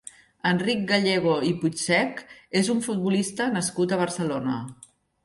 Enric Gallego i Puigsech és un futbolista nascut a Barcelona.